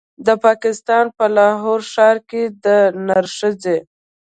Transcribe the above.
د پاکستان په لاهور ښار کې د نرښځې